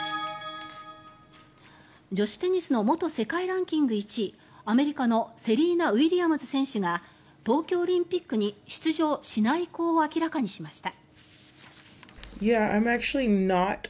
女子テニスの元世界ランキング１位アメリカのセリーナ・ウィリアムズ選手が東京オリンピックに出場しない意向を明らかにしました。